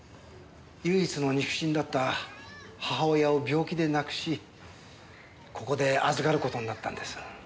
唯一の肉親だった母親を病気で亡くしここで預かる事になったんです。